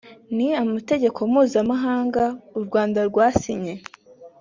n’amategeko mpuzamahanga urwanda rwasinye